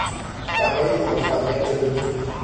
بهای موفقیت او